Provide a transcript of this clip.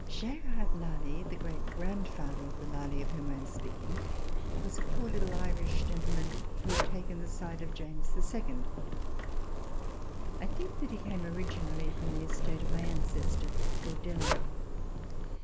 Gerard Lally, the great grandfather of the Lally EVE OF THE REVOLUTION of whom I am speaking, was a poor little Irish gentle man who had taken the side of James II. I think that he came originally from the estate of my ancestor, Lord Dillon.